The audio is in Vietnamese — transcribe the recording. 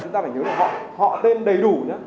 chúng ta phải nhớ là họ tên đầy đủ nhé